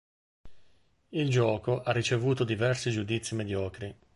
Il gioco ha ricevuto diversi giudizi mediocri.